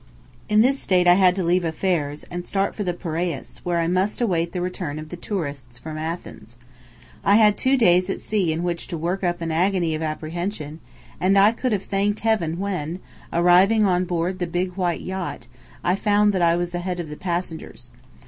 In this state I had to leave affairs, and start for the Piraeus, where I must await the return of the tourists from Athens. I had two days at sea in which to work up an agony of apprehension, and I could have thanked heaven when, arriving on board the big white yacht, I found that I was ahead of the passengers.